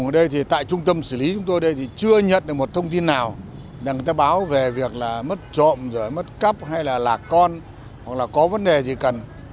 để người ta báo về việc là mất trộm rồi mất cấp hay là lạc con hoặc là có vấn đề gì cần